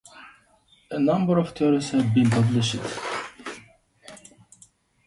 A number of theories have been published.